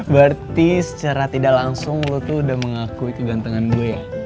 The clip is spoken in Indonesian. berarti secara tidak langsung lu tuh udah mengaku itu gantengan gue ya